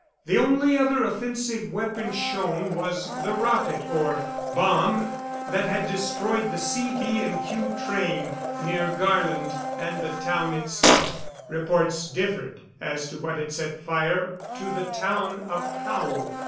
The only other offensive weapon shown was the rocket, or bomb, that had destroyed the C., B. and Q. train near Garland and the town itself. Reports differed as to what had set fire to the town of Powell.